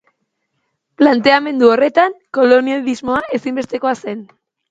Planteamendu horretan Kolonialismoa ezinbestekoa zen.